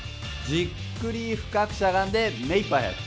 じっくり深くしゃがんで目いっぱい速く。